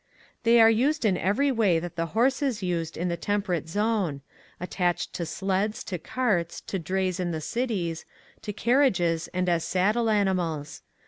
They are used in every way that the horse is used in the temperate zone ; at tached to sleds, to carts, to drays in the cities, to carriages, and as saddle animals.